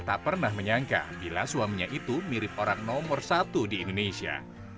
tak pernah menyangka bila suaminya itu mirip orang nomor satu di indonesia